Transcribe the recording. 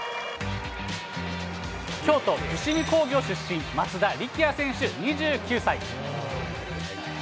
京都・伏見工業出身、松田力也選手２９歳。